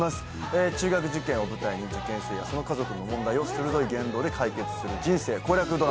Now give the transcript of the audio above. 中学受験を舞台に受験生やその家族の問題を鋭い言動で解決する人生攻略ドラマです。